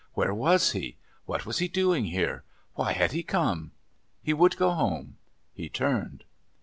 Where was he? What was he doing here? Why had he come? He would go home. He turned.